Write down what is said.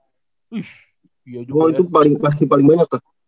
oh itu pasti paling banyak kak